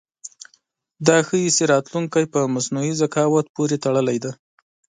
دا ښيي چې راتلونکی په مصنوعي ذکاوت پورې تړلی دی.